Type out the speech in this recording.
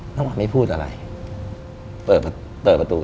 น้ำหวานไม่พูดอะไรเปิดประตู